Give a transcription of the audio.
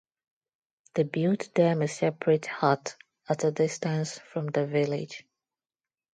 They build them a separate hut at a distance from the village.